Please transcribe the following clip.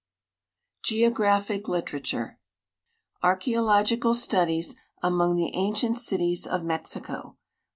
GEOGRAPHIC LITERATURE Archeological Studies among the Ancient Cities of Mexico.